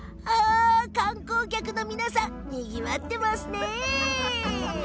観光客の皆さんでにぎわっていますね。